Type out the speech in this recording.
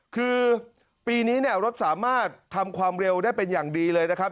คือปีนี้เนี่ยรถสามารถทำความเร็วได้เป็นอย่างดีเลยนะครับ